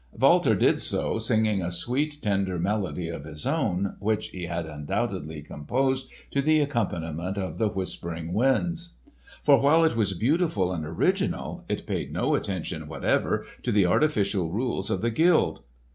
Walter did so, singing a sweet tender melody of his own, which he had undoubtedly composed to the accompaniment of the whispering winds. For while it was beautiful and original it paid no attention whatever to the artificial rules of the guild.